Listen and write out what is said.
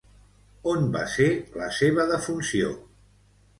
On va ser la seva defunció?